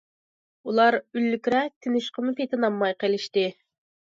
ئۇلار ئۈنلۈكرەك تىنىشقىمۇ پېتىنالماي قېلىشتى.